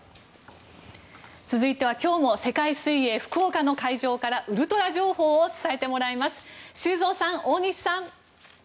続いては、今日も世界水泳福岡の会場からウルトラ情報を伝えてもらいます修造さん、大西さん。